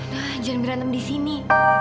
jangan berantem di sini